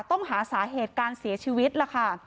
ต้องหาสาเหตุการเสียชีวิตล่ะค่ะ